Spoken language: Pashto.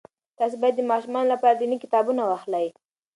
تاسې باید د ماشومانو لپاره دیني کتابونه واخلئ.